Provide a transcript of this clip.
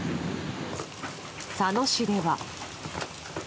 佐野市では。